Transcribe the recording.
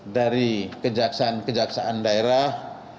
dari kejaksaan kejaksaan daerah